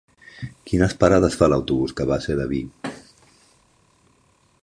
Quines parades fa l'autobús que va a Sedaví?